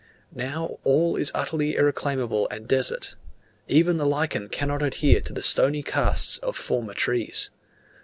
Now, all is utterly irreclaimable and desert; even the lichen cannot adhere to the stony casts of former trees.